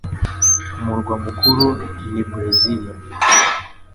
Umurwa mukuru ni Brasília